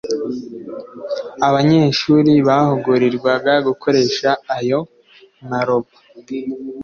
Abanyeshuri bahugurirwaga gukoresha ayo ma-robots